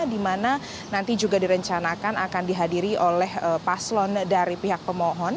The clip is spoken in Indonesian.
di mana nanti juga direncanakan akan dihadiri oleh paslon dari pihak pemohon